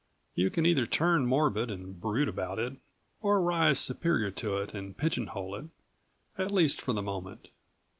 You can either turn morbid and brood about it, or rise superior to it and pigeon hole it, at least for the moment.